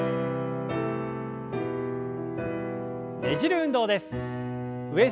ねじる運動です。